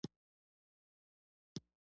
وضعیت نور هم خرابیږي